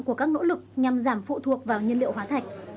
của các nỗ lực nhằm giảm phụ thuộc vào nhiên liệu hóa thạch